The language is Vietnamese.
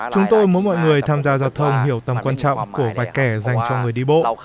chúng tôi muốn mọi người tham gia giao thông hiểu tầm quan trọng của vạch kẻ dành cho người đi bộ